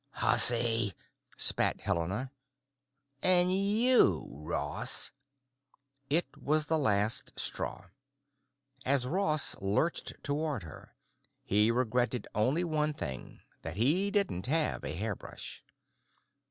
"Hussy!" spat Helena. "And you, Ross——" It was the last straw. As Ross lurched toward her he regretted only one thing: that he didn't have a hairbrush.